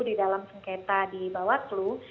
di dalam sengketa di bawaslu